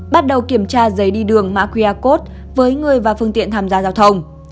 bắt đầu kiểm tra giấy đi đường mã quy rồi cốt với người và phương tiện tham gia giao thông